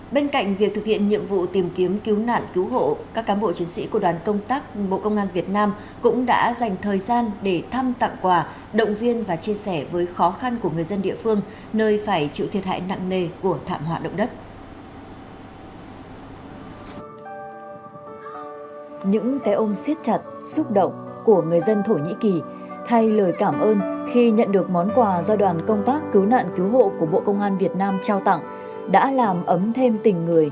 bên cạnh việc thực hiện nhiệm vụ tìm kiếm cứu nạn cứu hộ các cán bộ chiến sĩ của đoàn công tác bộ công an việt nam cũng đã dành thời gian để thăm tặng quà động viên và chia sẻ với khó khăn của người dân địa phương nơi phải chịu thiệt hại nặng nề của thảm họa động đất